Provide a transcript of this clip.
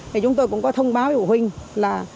thì chúng tôi cũng có thông báo với phụ huynh là